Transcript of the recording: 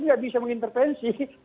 nggak bisa mengintervensi